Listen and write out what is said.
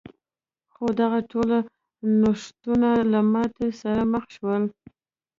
خو دغه ټول نوښتونه له ماتې سره مخ شول.